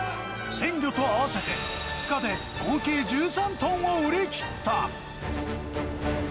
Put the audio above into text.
鮮魚と合わせて、２日で合計１３トンを売り切った。